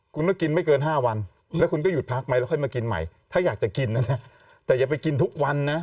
คุณต้องกินไม่เกิน๕วันแล้วคุณก็หยุดพักไหมแล้วค่อยมากินใหม่ถ้าอยากจะกินนะนะแต่อย่าไปกินทุกวันนะ